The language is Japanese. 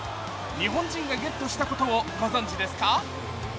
日本人がゲットしたことをご存じですか。